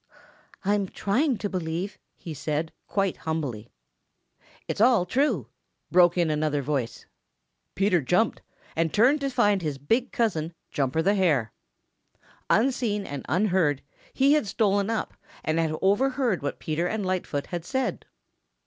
"I'm trying to believe it," he said, quite humbly. "It's all true," broke in another voice. Peter jumped and turned to find his big cousin, Jumper the Hare. Unseen and unheard, he had stolen up and had overheard what Peter and Lightfoot had said.